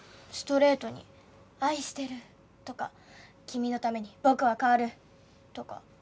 ストレートに「愛してる」とか「君のために僕は変わる！」とか。